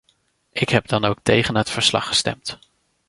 Ik heb dan ook tegen het verslag gestemd.